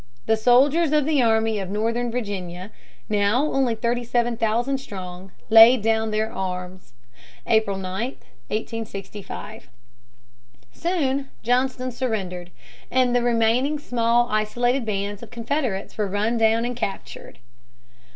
The soldiers of the Army of Northern Virginia, now only thirty seven thousand strong, laid down their arms, April 9, 1865. Soon Johnston surrendered, and the remaining small isolated bands of Confederates were run down and captured.